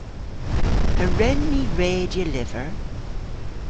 A wren ni redya lyver?